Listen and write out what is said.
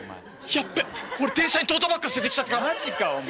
やっべ俺電車にトートバッグ忘れてきちゃったかも。マジかお前。